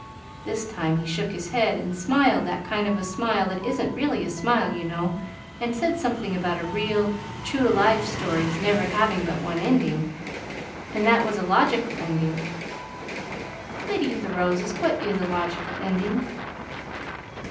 This time he shook his head, and smiled that kind of a smile that isn't really a smile, you know, and said something about a real, true to life story's never having but one ending, and that was a logical ending. Lady of the Roses, what is a logical ending?"